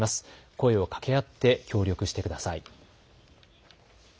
声をかけ合って協力してください。